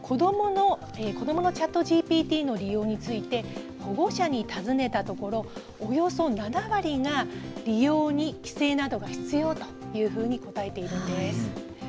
子どものＣｈａｔＧＰＴの利用について保護者に尋ねたところおよそ７割が利用に規制などが必要というふうに答えているんです。